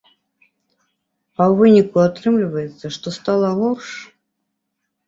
А ў выніку атрымліваецца, што стала горш?